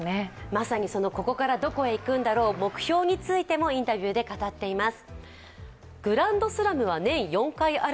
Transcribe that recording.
まさに、ここからどこへいくんだろう、その目標についてもインタビューで語っています。